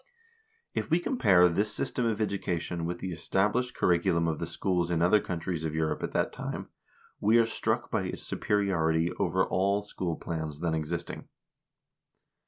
If we compare this system of education with the established cur riculum of the schools in other countries of Europe at that time, we are struck by its superiority over all school plans then existing.